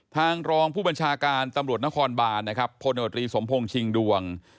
ทางรองผู้บรรชาการตำรวจนครบาลพณธุ์ทรีย์สมพงษ์ชิงดวง